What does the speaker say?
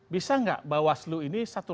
bisa nggak bawaslu ini satu